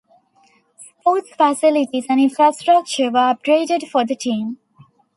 Sports facilities and infrastructure were upgraded for the team.